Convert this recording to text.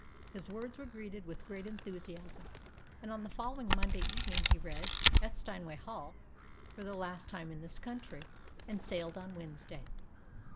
His words were greeted with great enthusiasm, and on the following Monday evening he read, at Steinway Hall, for the last time in this country, and sailed on Wednesday.